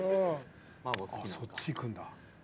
あっそっちいくんだ。